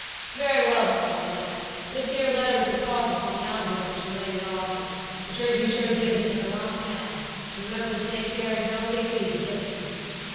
'Very well, then,' he says; 'this here letter with the cross upon the envelope is for Lady Audley, but you're to be sure to give it into her own hands; and remember to take care as nobody sees you give it.'